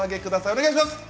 お願いします！